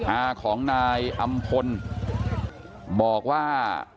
อาของนายอำพลบอกว่า